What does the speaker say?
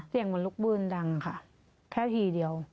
เสียงมันลุกบื้นดังค่ะแค่ทีเดียว